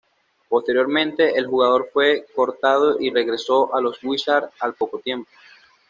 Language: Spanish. Posteriormente, el jugador fue cortado y regresó a los Wizards al poco tiempo.